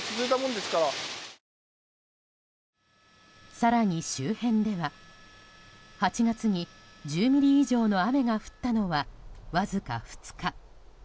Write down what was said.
更に周辺では８月に１０ミリ以上の雨が降ったのは、わずか２日。